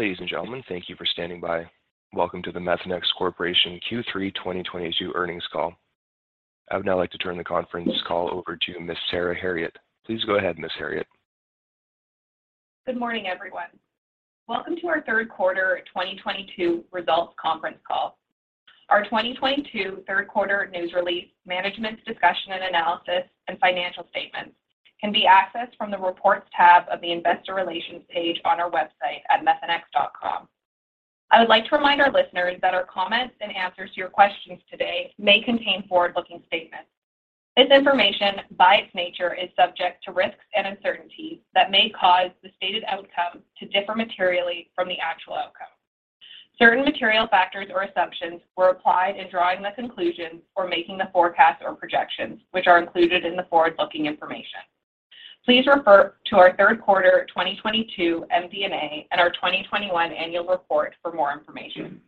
Ladies and gentlemen, thank you for standing by. Welcome to the Methanex Corporation Q3 2022 Earnings Call. I would now like to turn the conference call over to Ms. Sarah Herriott. Please go ahead, Ms. Herriott. Good morning, everyone. Welcome to our Third Quarter 2022 Results Conference C all. Our 2022 third quarter news release, Management's Discussion and Analysis, and financial statements can be accessed from the Reports tab of the Investor Relations page on our website at methanex.com. I would like to remind our listeners that our comments and answers to your questions today may contain forward-looking statements. This information, by its nature, is subject to risks and uncertainties that may cause the stated outcome to differ materially from the actual outcome. Certain material factors or assumptions were applied in drawing the conclusions or making the forecasts or projections, which are included in the forward-looking information. Please refer to our third quarter 2022 MD&A and our 2021 annual report for more information.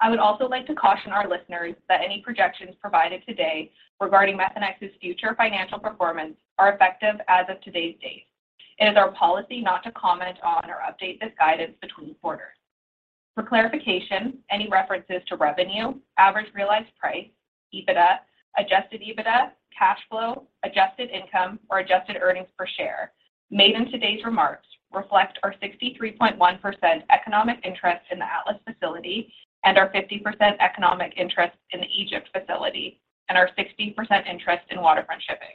I would also like to caution our listeners that any projections provided today regarding Methanex's future financial performance are effective as of today's date. It is our policy not to comment on or update this guidance between quarters. For clarification, any references to revenue, average realized price, EBITDA, adjusted EBITDA, cash flow, adjusted income, or adjusted earnings per share made in today's remarks reflect our 63.1% economic interest in the Atlas facility and our 50% economic interest in the Egypt facility and our 60% interest in Waterfront Shipping.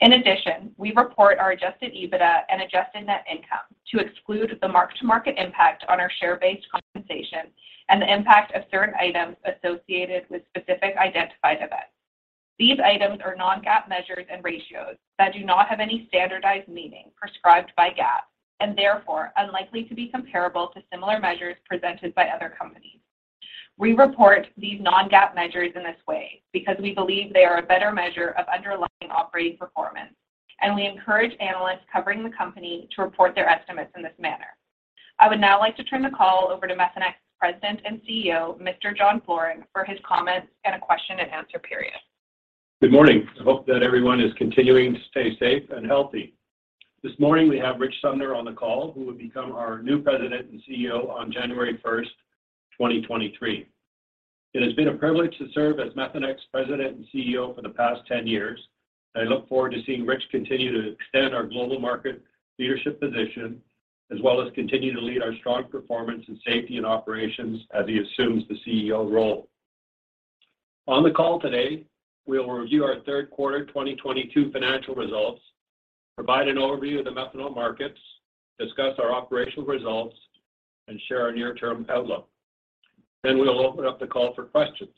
In addition, we report our adjusted EBITDA and adjusted net income to exclude the mark-to-market impact on our share-based compensation and the impact of certain items associated with specific identified events. These items are non-GAAP measures and ratios that do not have any standardized meaning prescribed by GAAP and therefore unlikely to be comparable to similar measures presented by other companies. We report these non-GAAP measures in this way because we believe they are a better measure of underlying operating performance, and we encourage analysts covering the company to report their estimates in this manner. I would now like to turn the call over to Methanex President and CEO, Mr. John Floren, for his comments and a question-and-answer period. Good morning. I hope that everyone is continuing to stay safe and healthy. This morning, we have Rich Sumner on the call, who will become our new president and CEO on January first, 2023. It has been a privilege to serve as Methanex President and CEO for the past 10 years. I look forward to seeing Rich continue to extend our global market leadership position, as well as continue to lead our strong performance in safety and operations as he assumes the CEO role. On the call today, we will review our third quarter 2022 financial results, provide an overview of the methanol markets, discuss our operational results, and share our near-term outlook. We will open up the call for questions.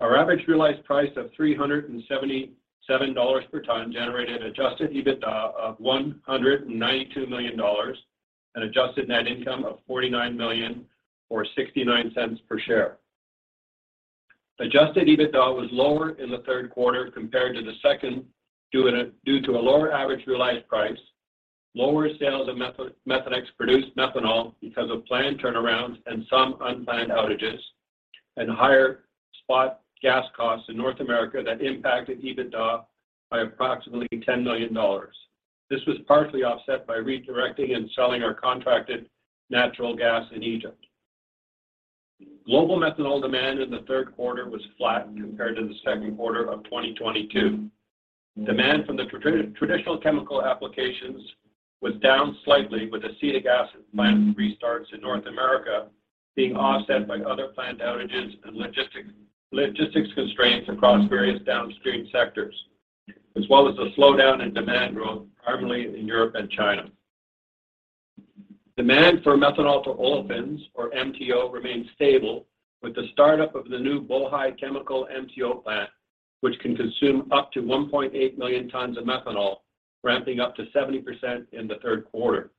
Our average realized price of $377 per ton generated adjusted EBITDA of $192 million and adjusted net income of $49 million or $0.69 per share. Adjusted EBITDA was lower in the third quarter compared to the second due to a lower average realized price, lower sales of Methanex produced methanol because of planned turnarounds and some unplanned outages, and higher spot gas costs in North America that impacted EBITDA by approximately $10 million. This was partially offset by redirecting and selling our contracted natural gas in Egypt. Global methanol demand in the third quarter was flat compared to the second quarter of 2022. Demand from the traditional chemical applications was down slightly with acetic acid plant restarts in North America being offset by other plant outages and logistics constraints across various downstream sectors, as well as a slowdown in demand growth, primarily in Europe and China. Demand for methanol to olefins or MTO remained stable with the start-up of the new Bohai Chemical MTO plant, which can consume up to 1.8 million tons of methanol, ramping up to 70% in the third quarter.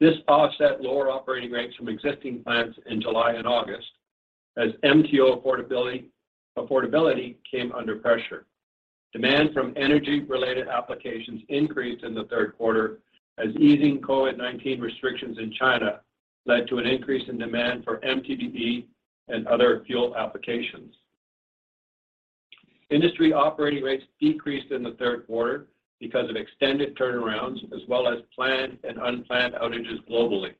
This offset lower operating rates from existing plants in July and August as MTO affordability came under pressure. Demand from energy-related applications increased in the third quarter as easing COVID-19 restrictions in China led to an increase in demand for MTBE and other fuel applications. Industry operating rates decreased in the third quarter because of extended turnarounds as well as planned and unplanned outages globally.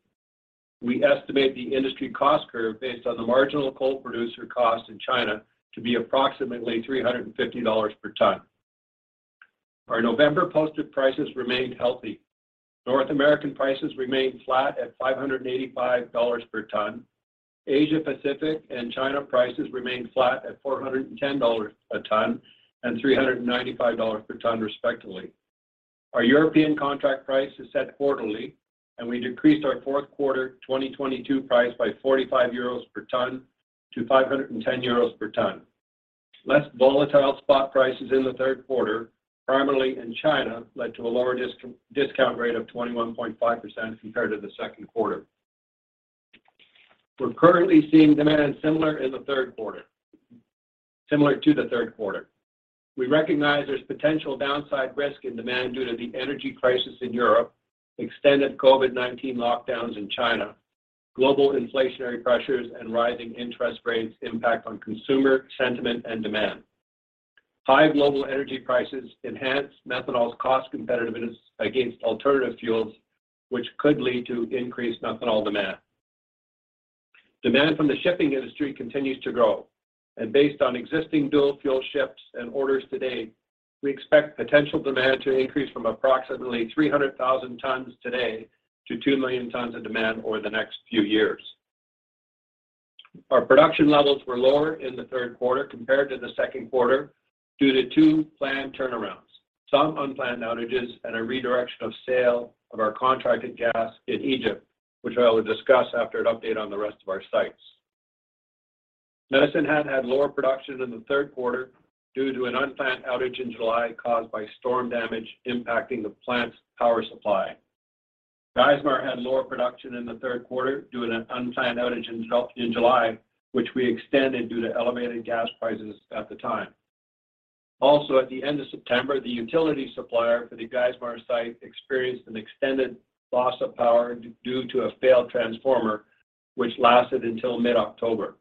We estimate the industry cost curve based on the marginal coal producer cost in China to be approximately $350 per ton. Our November posted prices remained healthy. North American prices remained flat at $585 per ton. Asia Pacific and China prices remained flat at $410 a ton and $395 per ton, respectively. Our European contract price is set quarterly, and we decreased our fourth-quarter 2022 price by 45 euros per ton to 510 euros per ton. Less volatile spot prices in the third quarter, primarily in China, led to a lower discount rate of 21.5% compared to the second quarter. We're currently seeing demand similar to the third quarter. We recognize there's potential downside risk in demand due to the energy crisis in Europe, extended COVID-19 lockdowns in China, global inflationary pressures, and rising interest rates' impact on consumer sentiment and demand. High global energy prices enhance methanol's cost competitiveness against alternative fuels, which could lead to increased methanol demand. Demand from the shipping industry continues to grow, and based on existing dual-fuel ships and orders to date, we expect potential demand to increase from approximately 300,000 tons today to 2 million tons of demand over the next few years. Our production levels were lower in the third quarter compared to the second quarter due to two planned turnarounds, some unplanned outages, and a redirection of sale of our contracted gas in Egypt, which I will discuss after an update on the rest of our sites. Medicine Hat had lower production in the third quarter due to an unplanned outage in July caused by storm damage impacting the plant's power supply. Geismar had lower production in the third quarter due to an unplanned outage in July, which we extended due to elevated gas prices at the time. Also, at the end of September, the utility supplier for the Geismar site experienced an extended loss of power due to a failed transformer, which lasted until mid-October.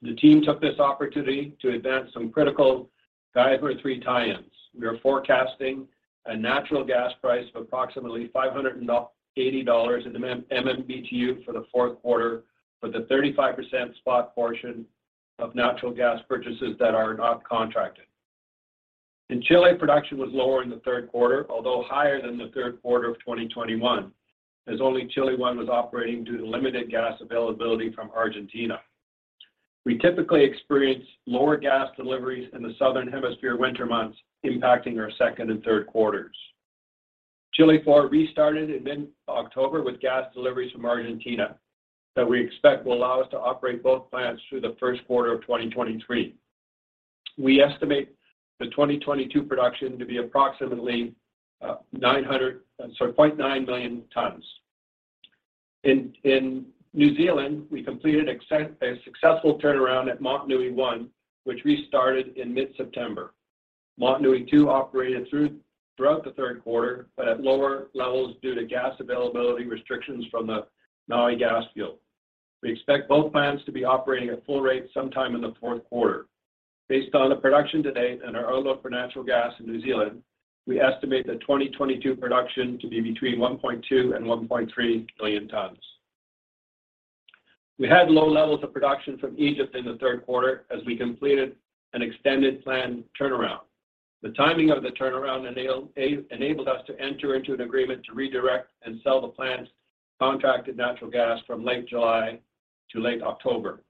The team took this opportunity to advance some critical Geismar 3 tie-ins. We are forecasting a natural gas price of approximately $5.80 per MMBtu for the fourth quarter for the 35% spot portion of natural gas purchases that are not contracted. In Chile, production was lower in the third quarter, although higher than the third quarter of 2021, as only Chile one was operating due to limited gas availability from Argentina. We typically experience lower gas deliveries in the southern hemisphere winter months, impacting our second and third quarters. Chile four restarted in mid-October with gas deliveries from Argentina that we expect will allow us to operate both plants through the first quarter of 2023. We estimate the 2022 production to be approximately 0.9 million tons. In New Zealand, we completed a successful turnaround at Motunui one, which restarted in mid-September. Motunui two operated throughout the third quarter, but at lower levels due to gas availability restrictions from the Maui gas field. We expect both plants to be operating at full rate sometime in the fourth quarter. Based on the production to date and our outlook for natural gas in New Zealand, we estimate the 2022 production to be between 1.2 million tons and 1.3 million tons. We had low levels of production from Egypt in the third quarter as we completed an extended plant turnaround. The timing of the turnaround enabled us to enter into an agreement to redirect and sell the plant's contracted natural gas from late July to late October.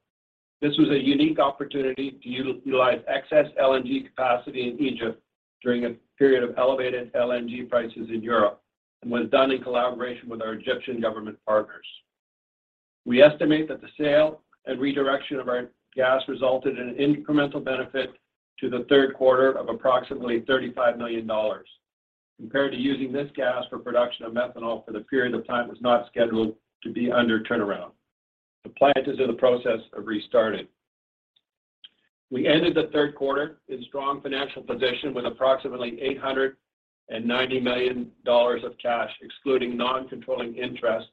This was a unique opportunity to utilize excess LNG capacity in Egypt during a period of elevated LNG prices in Europe and was done in collaboration with our Egyptian government partners. We estimate that the sale and redirection of our gas resulted in an incremental benefit to the third quarter of approximately $35 million compared to using this gas for production of methanol for the period of time it was not scheduled to be under turnaround. The plant is in the process of restarting. We ended the third quarter in strong financial position with approximately $890 million of cash, excluding non-controlling interest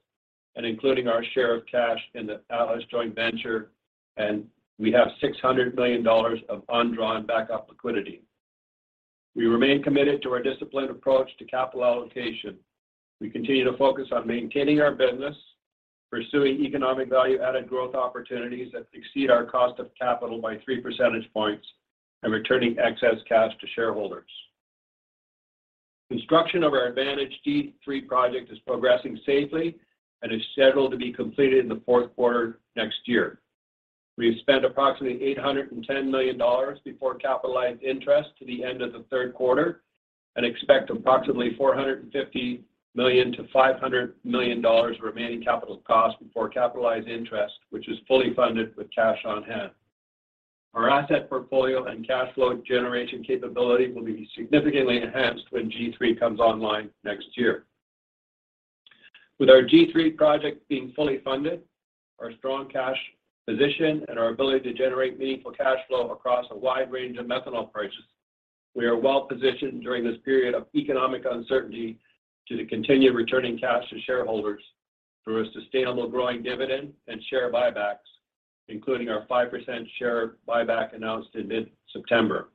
and including our share of cash in the Atlas joint venture, and we have $600 million of undrawn backup liquidity. We remain committed to our disciplined approach to capital allocation. We continue to focus on maintaining our business, pursuing economic value-added growth opportunities that exceed our cost of capital by 3 percentage points, and returning excess cash to shareholders. Construction of our Advantage G3 project is progressing safely and is scheduled to be completed in the fourth quarter next year. We've spent approximately $810 million before capitalized interest to the end of the third quarter and expect approximately $450 million-$500 million remaining capital cost before capitalized interest, which is fully funded with cash on hand. Our asset portfolio and cash flow generation capability will be significantly enhanced when G3 comes online next year. With our G3 project being fully funded, our strong cash position, and our ability to generate meaningful cash flow across a wide range of methanol prices, we are well-positioned during this period of economic uncertainty to continue returning cash to shareholders through a sustainable growing dividend and share buybacks, including our 5% share buyback announced in mid-September.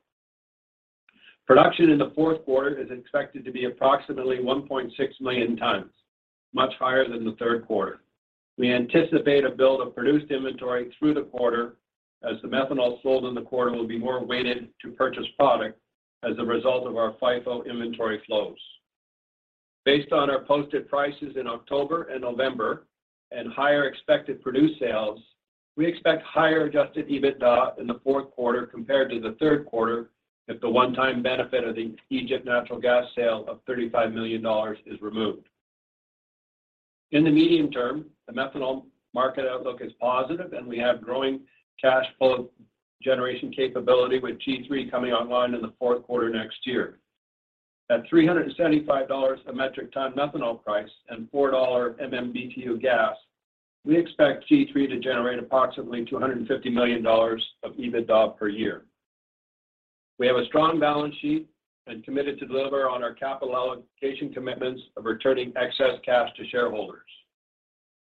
Production in the fourth quarter is expected to be approximately 1.6 million tons, much higher than the third quarter. We anticipate a build of produced inventory through the quarter as the methanol sold in the quarter will be more weighted to purchase product as a result of our FIFO inventory flows. Based on our posted prices in October and November and higher expected produced sales, we expect higher adjusted EBITDA in the fourth quarter compared to the third quarter if the one-time benefit of the Egypt natural gas sale of $35 million is removed. In the medium term, the methanol market outlook is positive, and we have growing cash flow generation capability with G3 coming online in the fourth quarter next year. At $375 a metric ton methanol price and $4 MMBtu gas, we expect G3 to generate approximately $250 million of EBITDA per year. We have a strong balance sheet and committed to deliver on our capital allocation commitments of returning excess cash to shareholders.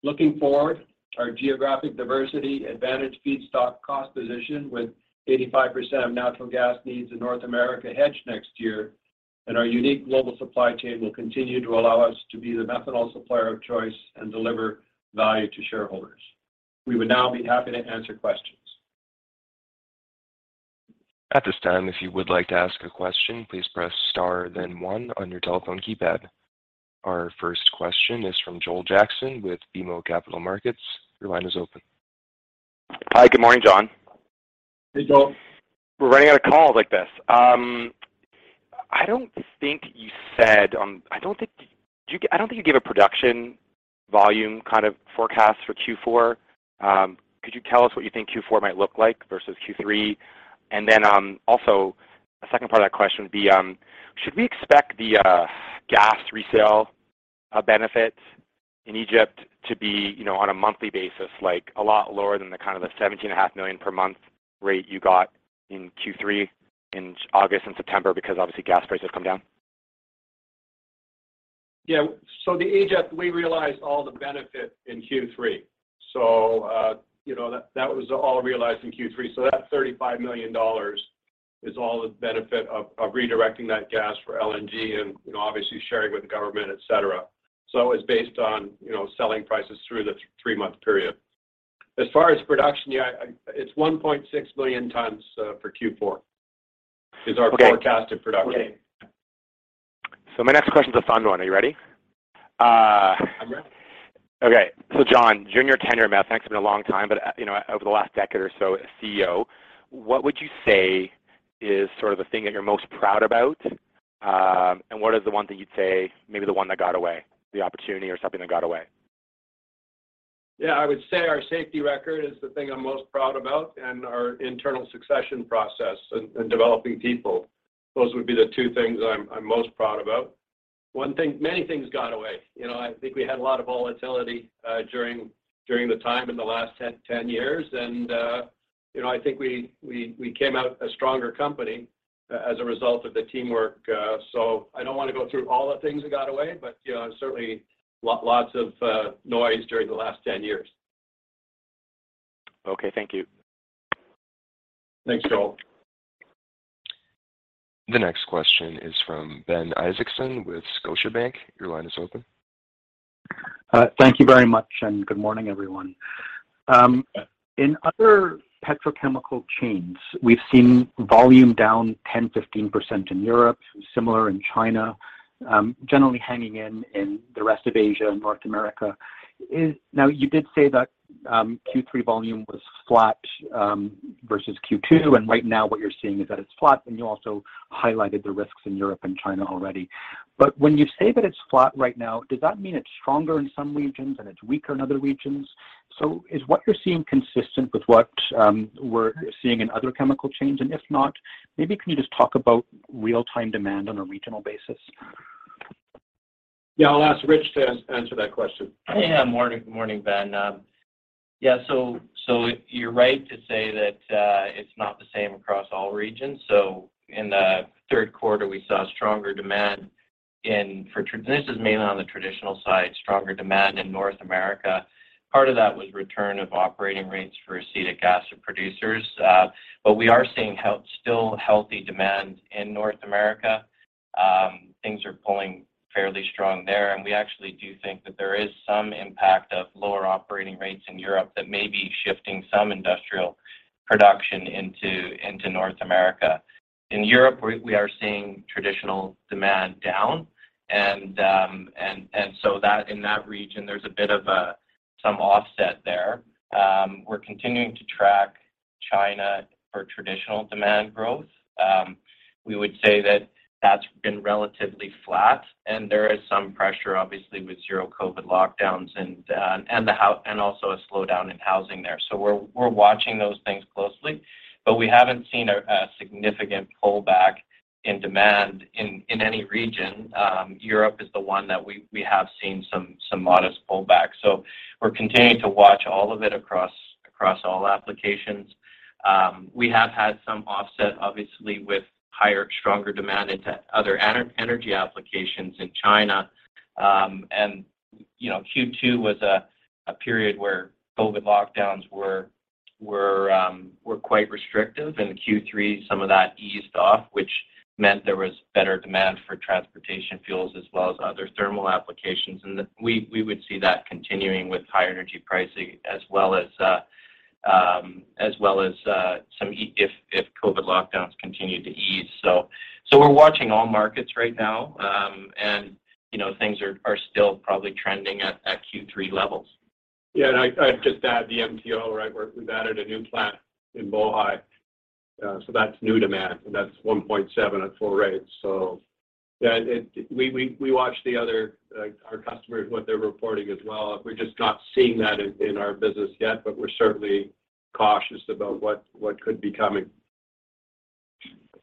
Looking forward, our geographic diversity advantage feedstock cost position with 85% of natural gas needs in North America hedged next year and our unique global supply chain will continue to allow us to be the methanol supplier of choice and deliver value to shareholders. We would now be happy to answer questions. At this time, if you would like to ask a question, please press star then one on your telephone keypad. Our first question is from Joel Jackson with BMO Capital Markets. Your line is open. Hi. Good morning, John. Hey, Joel. We're running out of calls like this. I don't think you give a production volume kind of forecast for Q4. Could you tell us what you think Q4 might look like versus Q3? Also a second part of that question would be, should we expect the gas resale benefit in Egypt to be, you know, on a monthly basis, like, a lot lower than the kind of $17.5 million per month rate you got in Q3 in August and September because obviously gas prices have come down? Yeah. Egypt, we realized all the benefit in Q3. You know, that was all realized in Q3. That $35 million is all the benefit of redirecting that gas for LNG and, you know, obviously sharing with the government, et cetera. It's based on, you know, selling prices through the three month period. As far as production, it's 1.6 million tons for Q4 is our- Okay. forecasted production. Okay. My next question is a fun one. Are you ready? I'm ready. Okay. John, during your tenure at Methanex, it's been a long time, but, you know, over the last decade or so as CEO, what would you say is sort of the thing that you're most proud about? What is the one that you'd say maybe the one that got away, the opportunity or something that got away? Yeah, I would say our safety record is the thing I'm most proud about and our internal succession process and developing people. Those would be the two things I'm most proud about. One thing. Many things got away. You know, I think we had a lot of volatility during the time in the last 10 years. You know, I think we came out a stronger company as a result of the teamwork. I don't wanna go through all the things that got away, but you know, certainly lots of noise during the last 10 years. Okay. Thank you. Thanks, Joel. The next question is from Ben Isaacson with Scotiabank. Your line is open. Thank you very much, and good morning, everyone. In other petrochemical chains, we've seen volume down 10%-15% in Europe, similar in China, generally hanging in the rest of Asia and North America. Now, you did say that Q3 volume was flat versus Q2, and right now what you're seeing is that it's flat, and you also highlighted the risks in Europe and China already. When you say that it's flat right now, does that mean it's stronger in some regions and it's weaker in other regions? Is what you're seeing consistent with what we're seeing in other chemical chains? If not, maybe can you just talk about real-time demand on a regional basis? Yeah. I'll ask Rich to answer that question. Hey. Good Morning, Ben. You're right to say that it's not the same across all regions. In the third quarter, we saw stronger demand for traditional. This is mainly on the traditional side, stronger demand in North America. Part of that was return to operating rates for acetic acid producers. But we are seeing still healthy demand in North America. Things are pulling fairly strong there. We actually do think that there is some impact of lower operating rates in Europe that may be shifting some industrial production into North America. In Europe, we are seeing traditional demand down. In that region, there's a bit of a some offset there. We're continuing to track China for traditional demand growth. We would say that that's been relatively flat, and there is some pressure obviously with zero COVID lockdowns and also a slowdown in housing there. We're watching those things closely. We haven't seen a significant pullback in demand in any region. Europe is the one that we have seen some modest pullback. We're continuing to watch all of it across all applications. We have had some offset obviously with higher, stronger demand into other energy applications in China. You know, Q2 was a period where COVID lockdowns were quite restrictive. In Q3, some of that eased off, which meant there was better demand for transportation fuels as well as other thermal applications. We would see that continuing with high energy pricing as well as some easing if COVID lockdowns continue to ease. We're watching all markets right now. You know, things are still probably trending at Q3 levels. Yeah. I'd just add the MTO, right, where we've added a new plant in Bohai. That's new demand, and that's 1.7 at full rate. Yeah, we watch the other, our customers, what they're reporting as well. We're just not seeing that in our business yet, but we're certainly cautious about what could be coming.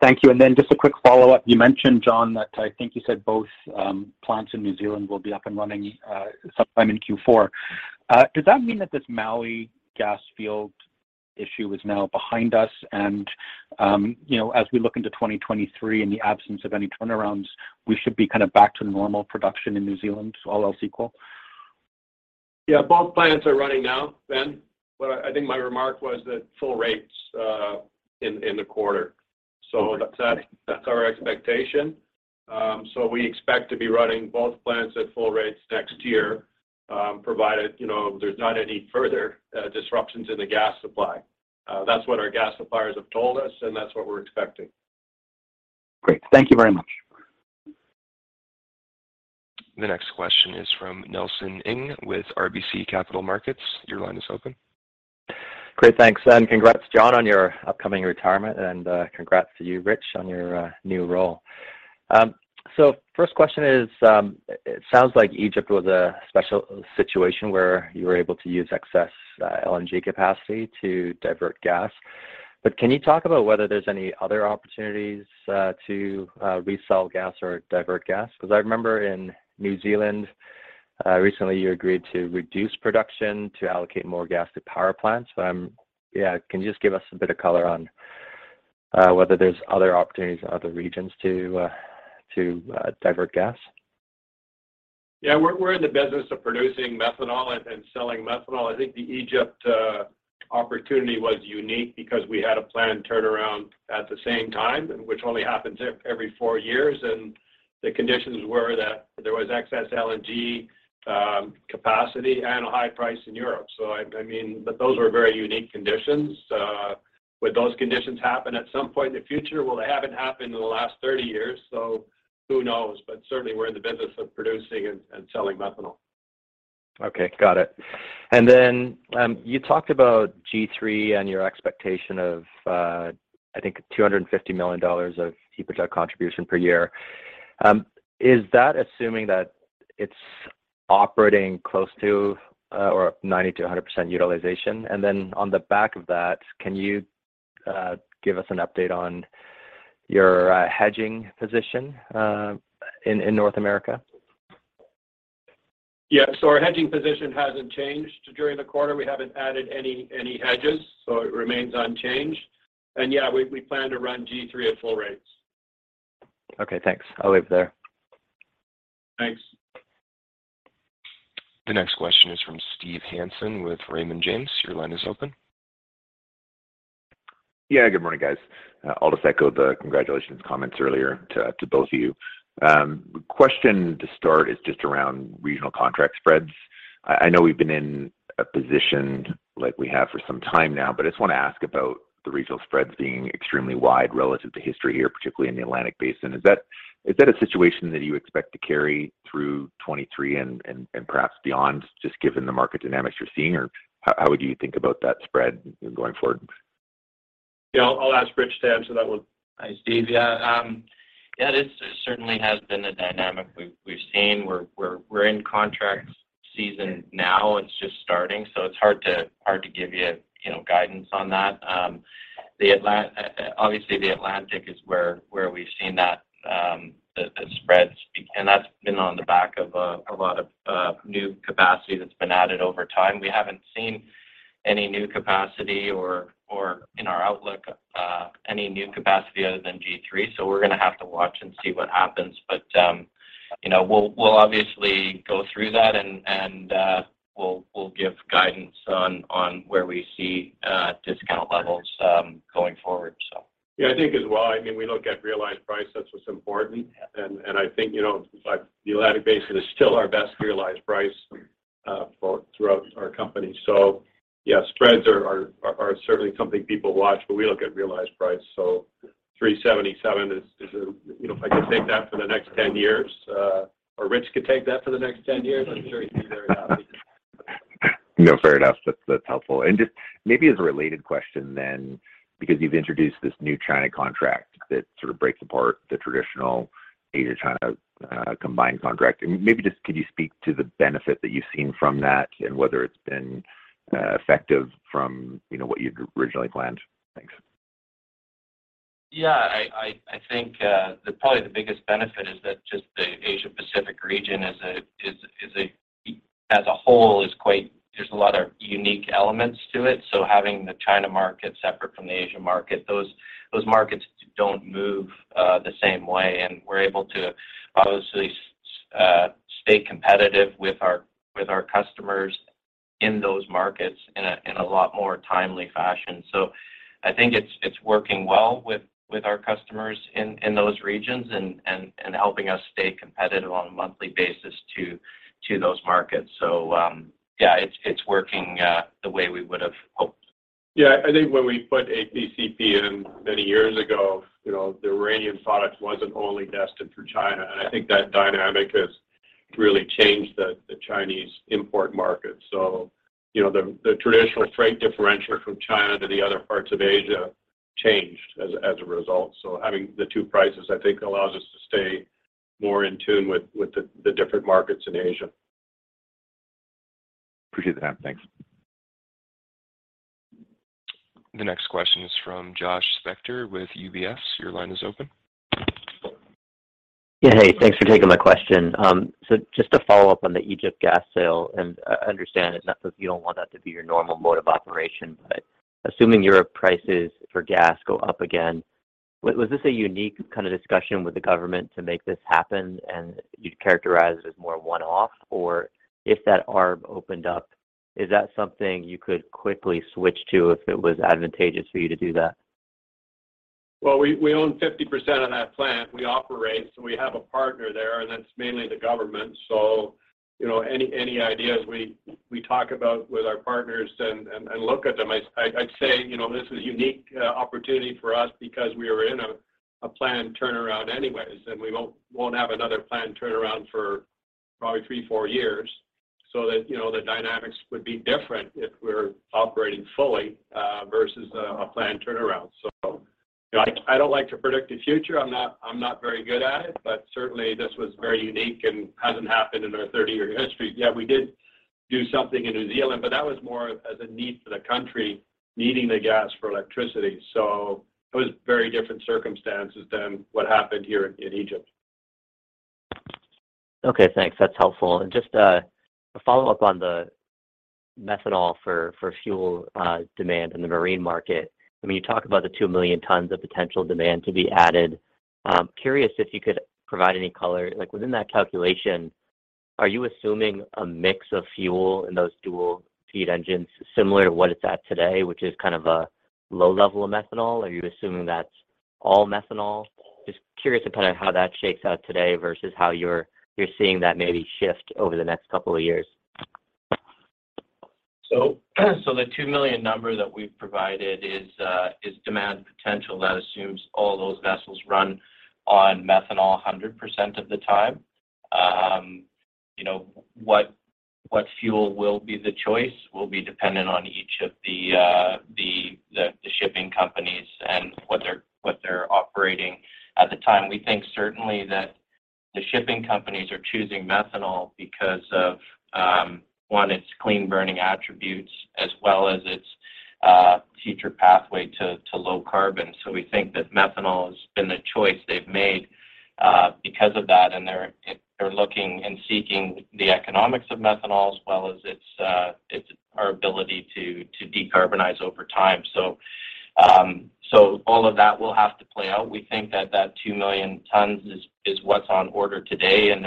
Thank you. Just a quick follow-up. You mentioned, John, that I think you said both plants in New Zealand will be up and running sometime in Q4. Does that mean that this Maui gas field issue is now behind us and, you know, as we look into 2023, in the absence of any turnarounds, we should be kind of back to normal production in New Zealand, all else equal? Yeah, both plants are running now, Ben. I think my remark was that full rates in the quarter. Okay. That's our expectation. We expect to be running both plants at full rates next year, provided, you know, there's not any further disruptions in the gas supply. That's what our gas suppliers have told us, and that's what we're expecting. Great. Thank you very much. The next question is from Nelson Ng with RBC Capital Markets. Your line is open. Great. Thanks. Congrats, John, on your upcoming retirement and congrats to you, Rich, on your new role. First question is, it sounds like Egypt was a special situation where you were able to use excess LNG capacity to divert gas. Can you talk about whether there's any other opportunities to resell gas or divert gas? 'Cause I remember in New Zealand recently you agreed to reduce production to allocate more gas to power plants. Yeah, can you just give us a bit of color on whether there's other opportunities in other regions to divert gas? Yeah. We're in the business of producing methanol and selling methanol. I think the Egypt opportunity was unique because we had a planned turnaround at the same time, and which only happens every four years. The conditions were that there was excess LNG capacity and a high price in Europe. I mean, but those were very unique conditions. Would those conditions happen at some point in the future? Well, they haven't happened in the last 30 years, so who knows? Certainly we're in the business of producing and selling methanol. Okay. Got it. Then, you talked about G3 and your expectation of, I think $250 million of EBITDA contribution per year. Is that assuming that it's operating close to, or 90%-100% utilization? Then on the back of that, can you give us an update on your hedging position in North America? Yeah. Our hedging position hasn't changed during the quarter. We haven't added any hedges, so it remains unchanged. Yeah, we plan to run G3 at full rates. Okay, thanks. I'll leave it there. Thanks. The next question is from Steve Hansen with Raymond James. Your line is open. Yeah. Good morning, guys. I'll just echo the congratulations comments earlier to both of you. Question to start is just around regional contract spreads. I know we've been in a position like we have for some time now, but I just wanna ask about the regional spreads being extremely wide relative to history here, particularly in the Atlantic Basin. Is that a situation that you expect to carry through 2023 and perhaps beyond, just given the market dynamics you're seeing? Or how would you think about that spread going forward? Yeah. I'll ask Rich to answer that one. Hi, Steve. Yeah, this certainly has been the dynamic we've seen. We're in contract season now. It's just starting, so it's hard to give you know, guidance on that. The Atlantic is obviously where we've seen that, the spreads. That's been on the back of a lot of new capacity that's been added over time. We haven't seen any new capacity or in our outlook any new capacity other than G3, so we're gonna have to watch and see what happens. You know, we'll obviously go through that and we'll give guidance on where we see discount levels going forward. Yeah. I think as well, I mean, we look at realized price. That's what's important. I think, you know, like the Atlantic Basin is still our best realized price throughout our company. Yeah, spreads are certainly something people watch, but we look at realized price. $377 is, you know, if I could take that for the next 10 years, or Rich could take that for the next 10 years, I'm sure he'd be very happy. No, fair enough. That's helpful. Just maybe as a related question then, because you've introduced this new China contract that sort of breaks apart the traditional Asia, China combined contract. Maybe just could you speak to the benefit that you've seen from that and whether it's been effective from, you know, what you'd originally planned? Thanks. Yeah. I think probably the biggest benefit is that just the Asia Pacific region as a whole is quite—there's a lot of unique elements to it. Having the China market separate from the Asia market, those markets don't move the same way, and we're able to obviously stay competitive with our customers in those markets in a lot more timely fashion. I think it's working well with our customers in those regions and helping us stay competitive on a monthly basis to those markets. Yeah, it's working the way we would have hoped. Yeah. I think when we put APCP in many years ago, you know, the Iranian product wasn't only destined for China. I think that dynamic has really changed the Chinese import market. You know, the traditional freight differential from China to the other parts of Asia changed as a result. Having the two prices, I think allows us to stay more in tune with the different markets in Asia. Appreciate that. Thanks. The next question is from Josh Spector with UBS. Your line is open. Yeah. Hey, thanks for taking my question. Just to follow up on the Egypt gas sale, and I understand it's not that you don't want that to be your normal mode of operation, but assuming your prices for gas go up again, was this a unique kind of discussion with the government to make this happen, and you'd characterize it as more one-off? Or if that door opened up, is that something you could quickly switch to if it was advantageous for you to do that? Well, we own 50% of that plant. We operate, so we have a partner there, and that's mainly the government. You know, any ideas we talk about with our partners and look at them. I'd say, you know, this is a unique opportunity for us because we are in a plant turnaround anyways, and we won't have another plant turnaround for probably three, four years so that, you know, the dynamics would be different if we're operating fully versus a plant turnaround. I don't like to predict the future. I'm not very good at it, but certainly this was very unique and hasn't happened in our 30-year history. Yeah, we did do something in New Zealand, but that was more as a need for the country needing the gas for electricity. It was very different circumstances than what happened here in Egypt. Okay, thanks. That's helpful. Just a follow-up on the methanol for fuel demand in the marine market. I mean, you talk about the 2 million tons of potential demand to be added. Curious if you could provide any color. Like, within that calculation, are you assuming a mix of fuel in those dual feed engines similar to what it's at today, which is kind of a low level of methanol? Are you assuming that's all methanol? Just curious of kinda how that shakes out today versus how you're seeing that maybe shift over the next couple of years. The 2 million number that we've provided is demand potential. That assumes all those vessels run on methanol 100% of the time. You know, what fuel will be the choice will be dependent on each of the shipping companies and what they're operating at the time. We think certainly that the shipping companies are choosing methanol because of one, its clean burning attributes as well as its future pathway to low carbon. We think that methanol has been the choice they've made because of that, and they're looking and seeking the economics of methanol as well as its our ability to decarbonize over time. All of that will have to play out. We think that 2 million tons is what's on order today, and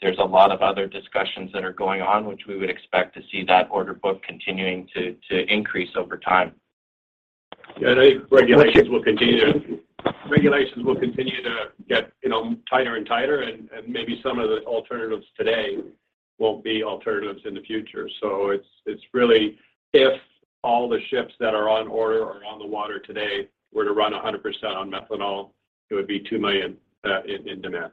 there's a lot of other discussions that are going on, which we would expect to see that order book continuing to increase over time. Yeah. I think regulations will continue. Regulations will continue to get, you know, tighter and tighter and maybe some of the alternatives today won't be alternatives in the future. It's really if all the ships that are on order or on the water today were to run 100% on methanol, it would be 2 million in demand.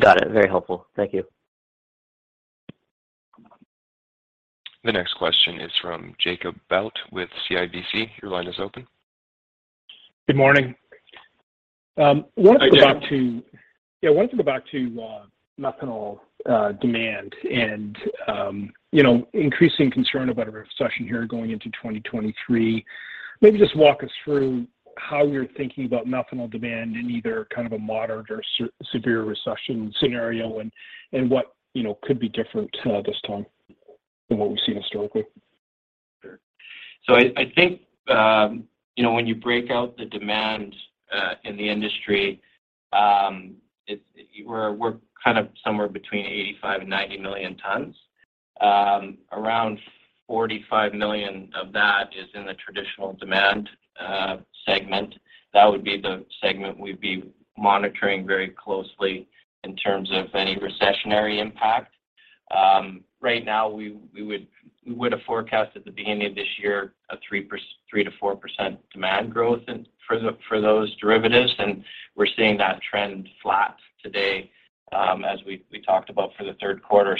Got it. Very helpful. Thank you. The next question is from Jacob Bout with CIBC. Your line is open. Good morning. Wanted to go back to Hi, Jacob. Yeah. Wanted to go back to methanol demand and, you know, increasing concern about a recession here going into 2023. Maybe just walk us through how you're thinking about methanol demand in either kind of a moderate or severe recession scenario and what, you know, could be different this time than what we've seen historically. Sure. I think you know, when you break out the demand in the industry, we're kind of somewhere between 85 million and 90 million tons. Around 45 million of that is in the traditional demand segment. That would be the segment we'd be monitoring very closely in terms of any recessionary impact. Right now we would have forecast at the beginning of this year a 3%-4% demand growth in for those derivatives, and we're seeing that trend flat today, as we talked about for the third quarter.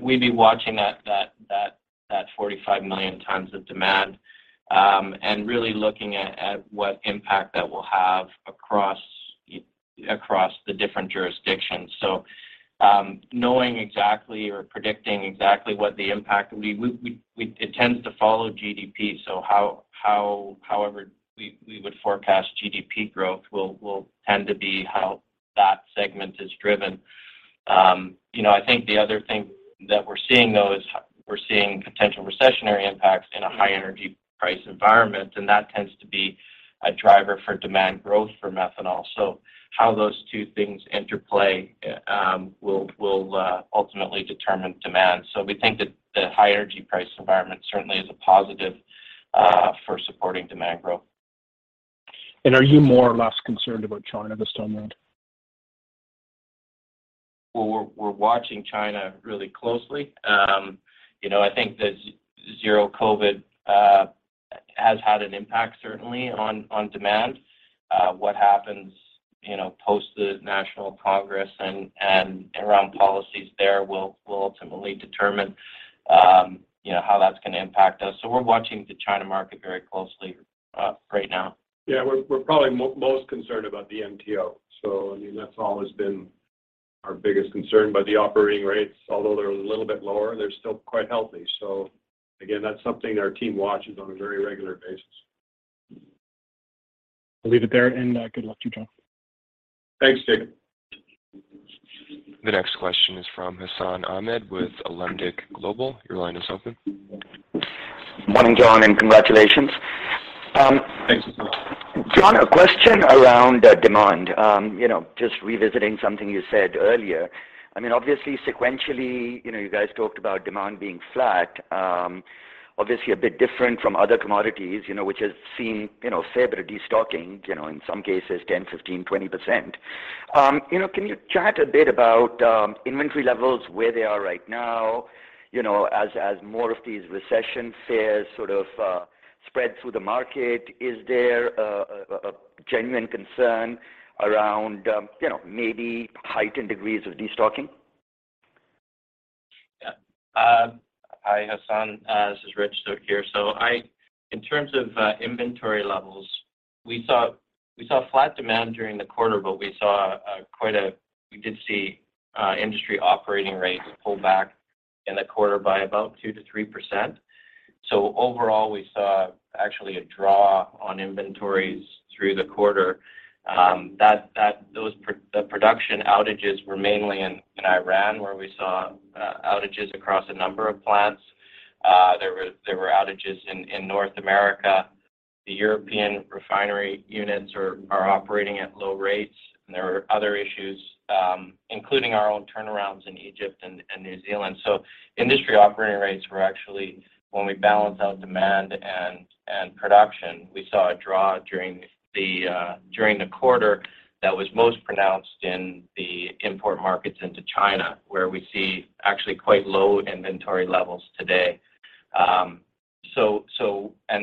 We'd be watching that 45 million tons of demand and really looking at what impact that will have across the different jurisdictions. Knowing exactly or predicting exactly what the impact. It tends to follow GDP, so however we would forecast GDP growth will tend to be how that segment is driven. You know, I think the other thing that we're seeing, though, is we're seeing potential recessionary impacts in a high energy price environment, and that tends to be a driver for demand growth for methanol. How those two things interplay will ultimately determine demand. We think that the high energy price environment certainly is a positive for supporting demand growth. Are you more or less concerned about China this time around? Well, we're watching China really closely. You know, I think the zero COVID has had an impact certainly on demand. What happens, you know, post the national Congress and around policies there will ultimately determine how that's gonna impact us. We're watching the China market very closely right now. We're probably most concerned about the MTO. I mean, that's always been our biggest concern by the operating rates, although they're a little bit lower, they're still quite healthy. Again, that's something our team watches on a very regular basis. I'll leave it there. Good luck to you, John Floren. Thanks, Jacob. The next question is from Hassan Ahmed with Alembic Global. Your line is open. Morning, John, and congratulations. Thanks. John, a question around the demand. You know, just revisiting something you said earlier. I mean, obviously sequentially, you know, you guys talked about demand being flat, obviously a bit different from other commodities, you know, which has seen, you know, fair bit of destocking, you know, in some cases 10, 15, 20%. You know, can you chat a bit about inventory levels, where they are right now? You know, as more of these recession fears sort of spread through the market, is there a genuine concern around, you know, maybe heightened degrees of destocking? Yeah. Hi, Hassan. This is Rich Sumner here. In terms of inventory levels, we saw flat demand during the quarter, but we did see industry operating rates pull back in the quarter by about 2%-3%. Overall, we saw actually a draw on inventories through the quarter. The production outages were mainly in Iran, where we saw outages across a number of plants. There were outages in North America. The European refinery units are operating at low rates. There were other issues, including our own turnarounds in Egypt and New Zealand. Industry operating rates were actually balanced when we balanced out demand and production. We saw a draw during the quarter that was most pronounced in the import markets into China, where we see actually quite low inventory levels today.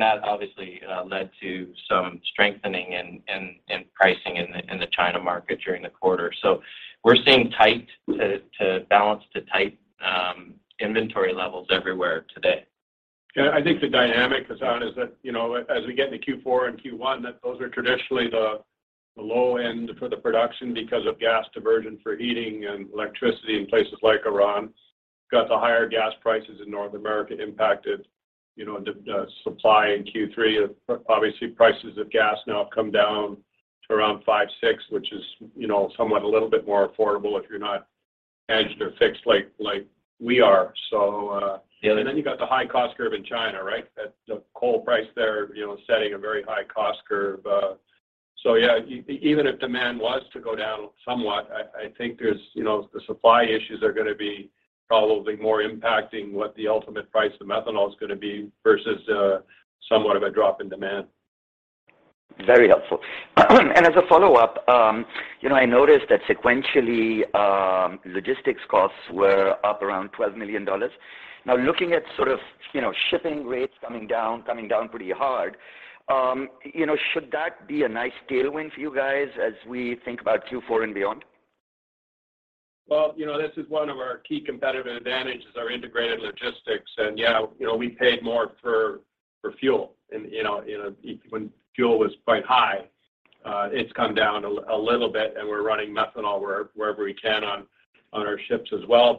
That obviously led to some strengthening in pricing in the China market during the quarter. We're seeing tight to balanced to tight inventory levels everywhere today. Yeah, I think the dynamic, Hassan, is that, you know, as we get into Q4 and Q1, that those are traditionally the low end for the production because of gas diversion for heating and electricity in places like Iran. But the higher gas prices in North America impacted, you know, the supply in Q3. Obviously, prices of gas now have come down to around 56, which is, you know, somewhat a little bit more affordable if you're not hedged or fixed like we are. Yeah. You got the high cost curve in China, right? The coal price there, you know, setting a very high cost curve. Yeah, even if demand was to go down somewhat, I think there's, you know, the supply issues are gonna be probably more impacting what the ultimate price of methanol is gonna be versus somewhat of a drop in demand. Very helpful. As a follow-up, you know, I noticed that sequentially, logistics costs were up around $12 million. Now, looking at sort of, you know, shipping rates coming down pretty hard, you know, should that be a nice tailwind for you guys as we think about Q4 and beyond? Well, you know, this is one of our key competitive advantages, our integrated logistics. Yeah, you know, we paid more for fuel in when fuel was quite high. It's come down a little bit, and we're running methanol wherever we can on our ships as well.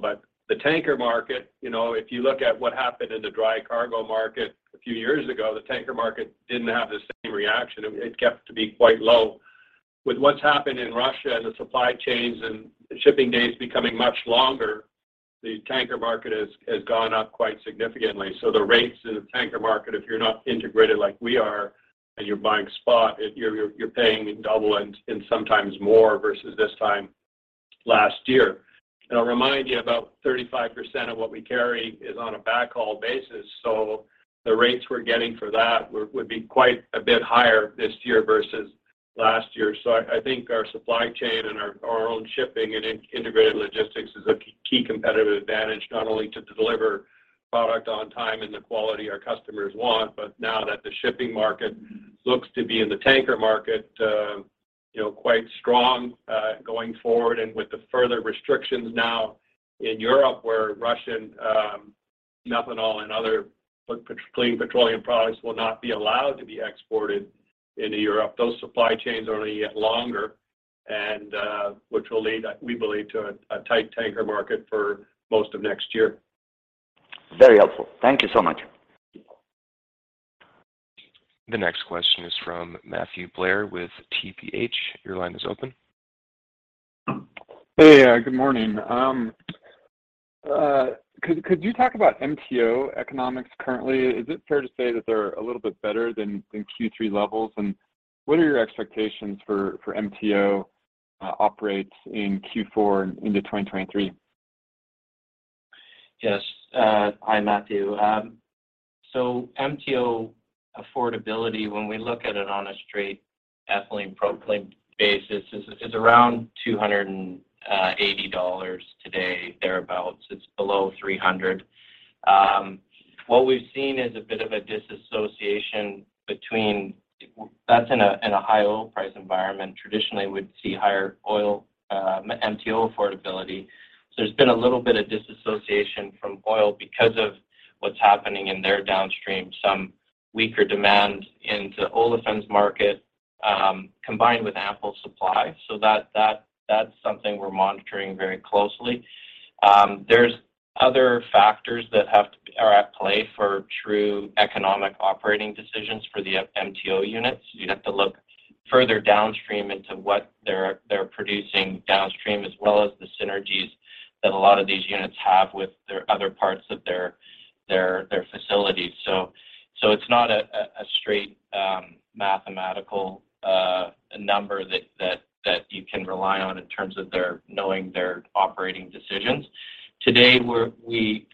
The tanker market, you know, if you look at what happened in the dry cargo market a few years ago, the tanker market didn't have the same reaction. It kept to be quite low. With what's happened in Russia and the supply chains and shipping days becoming much longer, the tanker market has gone up quite significantly. The rates in the tanker market, if you're not integrated like we are, and you're buying spot, you're paying double and sometimes more versus this time last year. I'll remind you, about 35% of what we carry is on a backhaul basis. The rates we're getting for that would be quite a bit higher this year versus last year. I think our supply chain and our own shipping and integrated logistics is a key competitive advantage, not only to deliver product on time in the quality our customers want, but now that the shipping market looks to be in the tanker market quite strong going forward. With the further restrictions now in Europe, where Russian methanol and other clean petroleum products will not be allowed to be exported into Europe. Those supply chains are only going to get longer, and which will lead, we believe, to a tight tanker market for most of next year. Very helpful. Thank you so much. The next question is from Matthew Blair with TPH&Co. Your line is open. Hey. Good morning. Could you talk about MTO economics currently? Is it fair to say that they're a little bit better than Q3 levels? What are your expectations for MTO operations in Q4 into 2023? Yes. Hi, Matthew. MTO affordability, when we look at it on a straight ethylene propylene basis, is around $280 today, thereabout. It's below $300. What we've seen is a bit of a disassociation. That's in a high oil price environment. Traditionally, we'd see higher oil MTO affordability. There's been a little bit of disassociation from oil because of what's happening in their downstream. Some weaker demand into olefins market, combined with ample supply. That's something we're monitoring very closely. There's other factors that have to be at play for true economic operating decisions for the MTO units. You'd have to look further downstream into what they're producing downstream, as well as the synergies that a lot of these units have with their other parts of their facilities. It's not a straight mathematical number that you can rely on in terms of their knowing their operating decisions. Today, we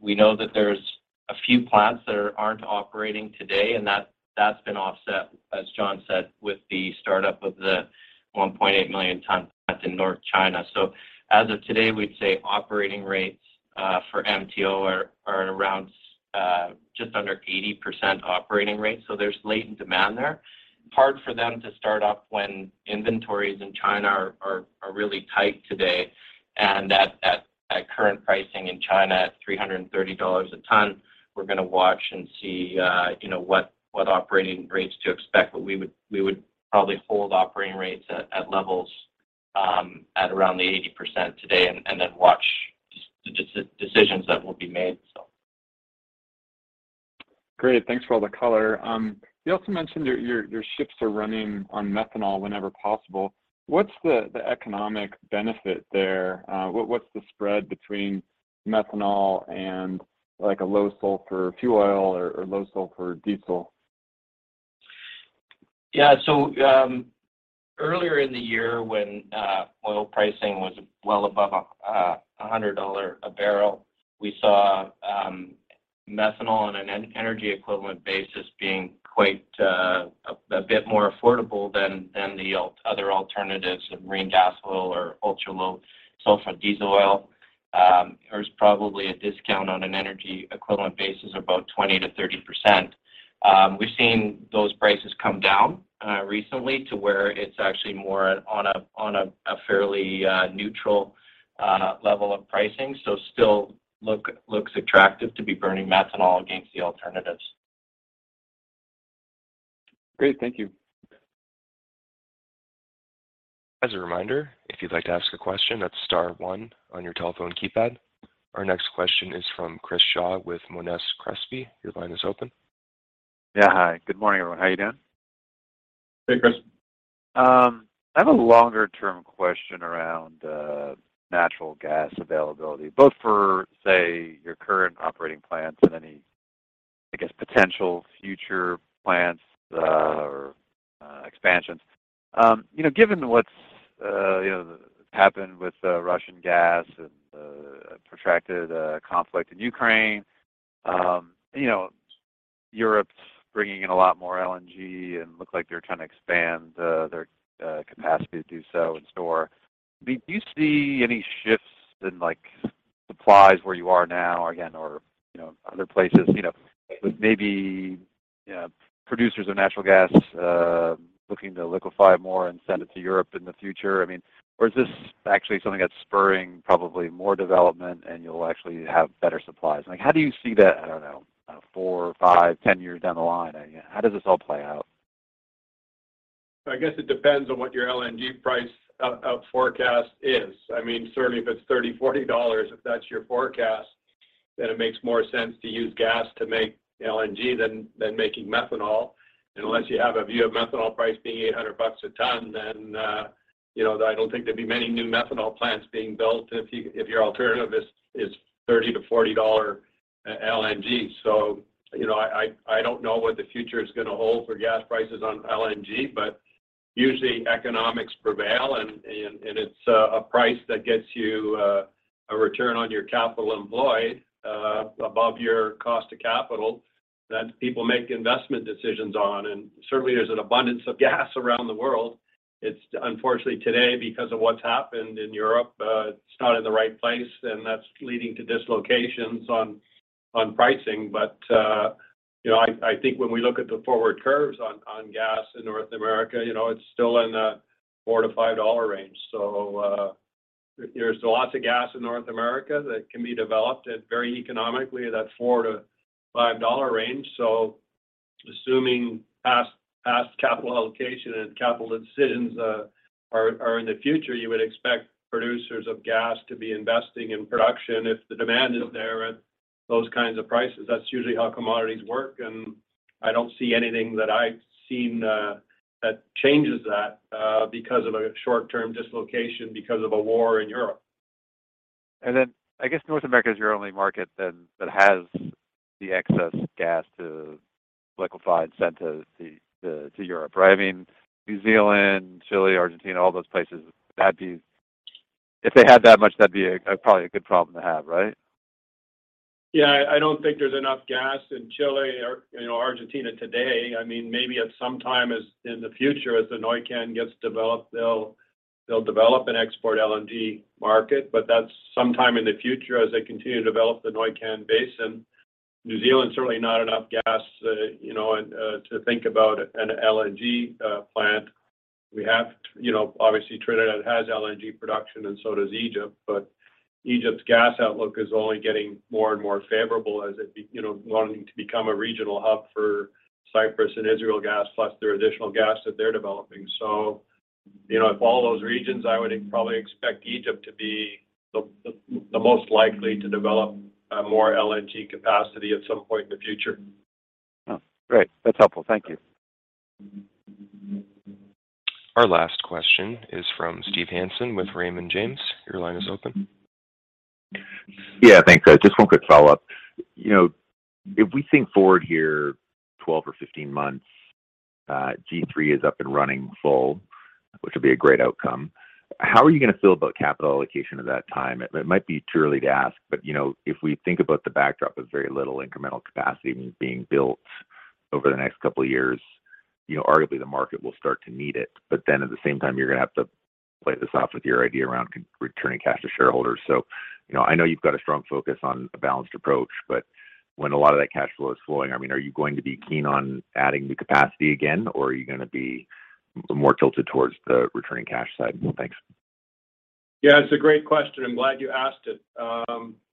know that there's a few plants that aren't operating today, and that's been offset, as John said, with the startup of the 1.8 million ton plant in North China. As of today, we'd say operating rates for MTO are at around just under 80% operating rates. There's latent demand there. Hard for them to start up when inventories in China are really tight today. At current pricing in China at $330 a ton, we're gonna watch and see, you know, what operating rates to expect. We would probably hold operating rates at levels at around 80% today and then watch decisions that will be made. Great. Thanks for all the color. You also mentioned your ships are running on methanol whenever possible. What's the economic benefit there? What's the spread between methanol and, like, a low sulfur fuel oil or low sulfur diesel? Yeah. Earlier in the year when oil pricing was well above $100 a barrel, we saw methanol on an energy equivalent basis being quite a bit more affordable than the other alternatives of marine gas oil or ultra-low sulfur fuel oil. There's probably a discount on an energy equivalent basis, about 20%-30%. We've seen those prices come down recently to where it's actually more on a fairly neutral level of pricing. Still looks attractive to be burning methanol against the alternatives. Great. Thank you. As a reminder, if you'd like to ask a question, that's star one on your telephone keypad. Our next question is from Chris Shaw with Monness, Crespi, Hardt & Co. Your line is open. Yeah. Hi, good morning, everyone. How you doing? Hey, Chris. I have a longer term question around natural gas availability, both for, say, your current operating plants and any, I guess, potential future plants or expansions. You know, given what's you know, happened with Russian gas and the protracted conflict in Ukraine, you know, Europe's bringing in a lot more LNG and look like they're trying to expand their capacity to do so and store. I mean, do you see any shifts in, like, supplies where you are now again, or, you know, other places, you know, with maybe, you know, producers of natural gas looking to liquefy more and send it to Europe in the future? I mean, or is this actually something that's spurring probably more development, and you'll actually have better supplies? Like, how do you see that, I don't know, four, five, 10 years down the line? How does this all play out? I guess it depends on what your LNG price outlook forecast is. I mean, certainly if it's $30, $40, if that's your forecast, then it makes more sense to use gas to make LNG than making methanol. Unless you have a view of methanol price being $100 a ton, then you know, I don't think there'd be many new methanol plants being built if your alternative is $30-$40 LNG. You know, I don't know what the future is gonna hold for gas prices on LNG, but usually economics prevail, and it's a price that gets you a return on your capital employed above your cost of capital that people make investment decisions on. Certainly there's an abundance of gas around the world. It's unfortunately today because of what's happened in Europe, it's not in the right place, and that's leading to dislocations on pricing. You know, I think when we look at the forward curves on gas in North America, you know, it's still in a $4-$5 range. There's lots of gas in North America that can be developed very economically at that $4-$5 range. Assuming past capital allocation and capital decisions are in the future, you would expect producers of gas to be investing in production if the demand is there at those kinds of prices. That's usually how commodities work, and I don't see anything that I've seen that changes that because of a short-term dislocation because of a war in Europe. I guess North America is your only market then that has the excess gas to liquefy and send to Europe, right? I mean, New Zealand, Chile, Argentina, all those places, that'd be. If they had that much, that'd be a, probably a good problem to have, right? Yeah. I don't think there's enough gas in Chile or, you know, Argentina today. I mean, maybe at some time as in the future, as the Neuquén gets developed, they'll develop an export LNG market. That's sometime in the future as they continue to develop the Neuquén Basin. New Zealand, certainly not enough gas, you know, and to think about an LNG plant. We have, you know, obviously Trinidad has LNG production and so does Egypt, but Egypt's gas outlook is only getting more and more favorable as it be, you know, wanting to become a regional hub for Cyprus and Israel gas, plus their additional gas that they're developing. You know, of all those regions, I would probably expect Egypt to be the most likely to develop more LNG capacity at some point in the future. Oh, great. That's helpful. Thank you. Our last question is from Steve Hansen with Raymond James. Your line is open. Yeah, thanks. Just one quick follow-up. You know, if we think forward here 12 or 15 months, G3 is up and running full, which would be a great outcome. How are you gonna feel about capital allocation at that time? It might be too early to ask, but you know, if we think about the backdrop of very little incremental capacity being built over the next couple of years, you know, arguably the market will start to need it. At the same time, you're gonna have to play this off with your idea around returning cash to shareholders. you know, I know you've got a strong focus on a balanced approach, but when a lot of that cash flow is flowing, I mean, are you going to be keen on adding new capacity again, or are you gonna be more tilted towards the returning cash side? Thanks. Yeah, it's a great question. I'm glad you asked it.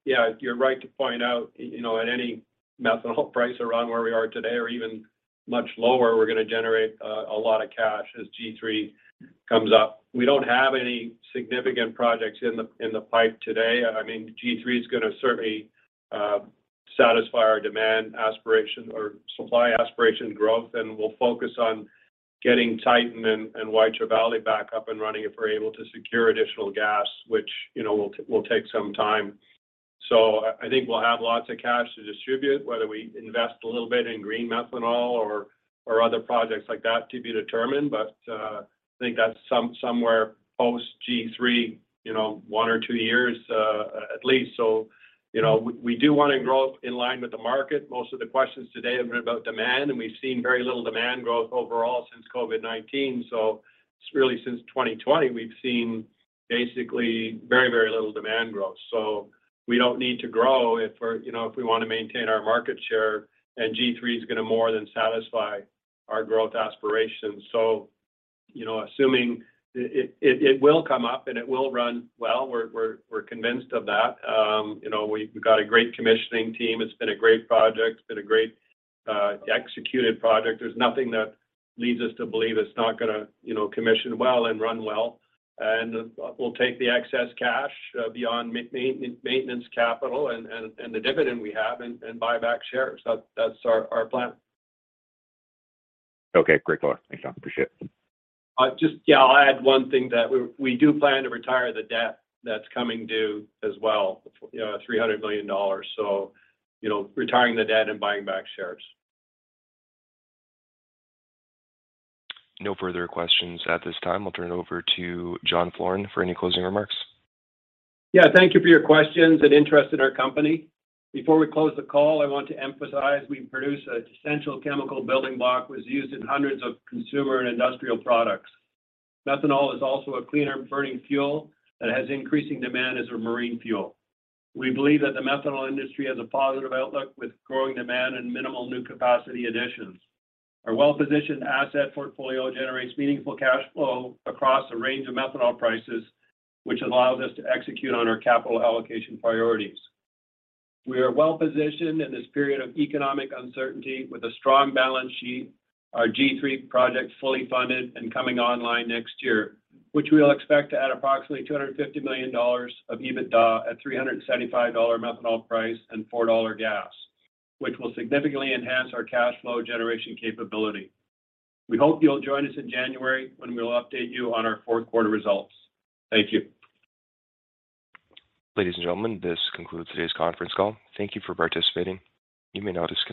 Yeah, you're right to point out, you know, at any methanol price around where we are today or even much lower, we're gonna generate a lot of cash as G3 comes up. We don't have any significant projects in the pipe today. I mean, G3 is gonna certainly satisfy our demand aspiration or supply aspiration growth, and we'll focus on getting Titan and Waitara Valley back up and running if we're able to secure additional gas, which, you know, will take some time. I think we'll have lots of cash to distribute, whether we invest a little bit in green methanol or other projects like that to be determined. I think that's somewhere post-G3, you know, one or two years at least. You know, we do wanna grow in line with the market. Most of the questions today have been about demand, and we've seen very little demand growth overall since COVID-19. Really since 2020, we've seen basically very little demand growth. We don't need to grow if we wanna maintain our market share, and G3 is gonna more than satisfy our growth aspirations. You know, assuming it will come up and it will run well, we're convinced of that. You know, we've got a great commissioning team. It's been a great project. It's been a great executed project. There's nothing that leads us to believe it's not gonna commission well and run well. We'll take the excess cash beyond maintenance capital and the dividend we have and buy back shares. That's our plan. Okay. Great. Thanks, John. Appreciate it. I'll add one thing that we do plan to retire the debt that's coming due as well, you know, $300 million. You know, retiring the debt and buying back shares. No further questions at this time. I'll turn it over to John Floren for any closing remarks. Yeah. Thank you for your questions and interest in our company. Before we close the call, I want to emphasize we produce an essential chemical building block, which is used in hundreds of consumer and industrial products. Methanol is also a cleaner burning fuel that has increasing demand as a marine fuel. We believe that the methanol industry has a positive outlook with growing demand and minimal new capacity additions. Our well-positioned asset portfolio generates meaningful cash flow across a range of methanol prices, which allows us to execute on our capital allocation priorities. We are well-positioned in this period of economic uncertainty with a strong balance sheet. Our G3 project fully funded and coming online next year, which we'll expect to add approximately $250 million of EBITDA at $375 methanol price and $4 gas, which will significantly enhance our cash flow generation capability. We hope you'll join us in January when we'll update you on our fourth quarter results. Thank you. Ladies and gentlemen, this concludes today's conference call. Thank you for participating. You may now disconnect.